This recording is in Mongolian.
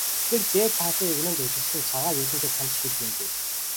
Тэр дээд талын эгнээнд өлгөсөн цагаан юүдэнтэй цамц хэд юм бэ?